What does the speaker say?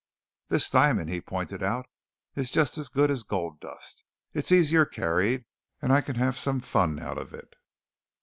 "This diamond," he pointed out, "is just as good as gold dust, it's easier carried, and I can have some fun out of it."